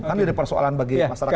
kan jadi persoalan bagi masyarakat